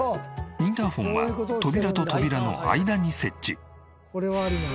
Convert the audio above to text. インターホンは扉と扉の間に設置。